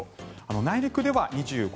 内陸では２５